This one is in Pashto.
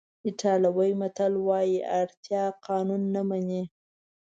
ایټالوي متل وایي اړتیا قانون نه مني.